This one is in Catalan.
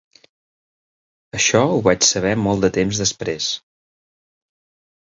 Això ho vaig saber molt de temps després.